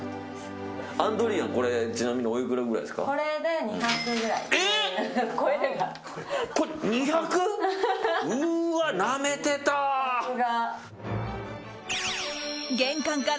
アンドリアちなみにおいくらくらいですか。